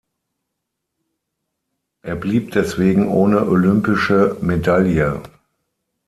Er blieb deswegen ohne olympische Medaille.